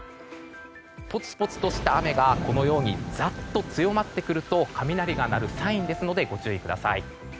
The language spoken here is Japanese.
ぽつぽつとした雨がザっと強まってくると雷が鳴るサインですのでご注意ください。